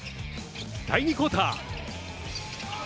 第２クオーター。